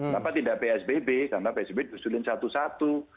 sama tidak psbb karena psbb usulnya satu satu